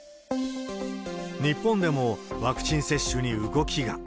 日本でもワクチン接種に動きが。